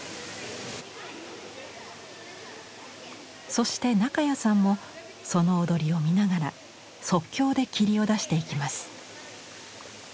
そして中谷さんもその踊りを見ながら即興で霧を出していきます。